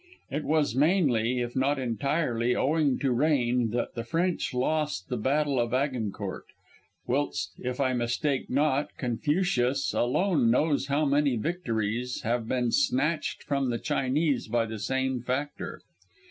It was mainly, if not entirely, owing to rain that the French lost the Battle of Agincourt; whilst, if I mistake not, Confucius alone knows how many victories have been snatched from the Chinese by the same factor.